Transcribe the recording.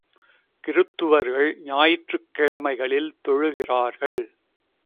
கிறித்துவர்கள் ஞாயிற்றுக் கிழமைகளில் தொழுகிறார்கள்.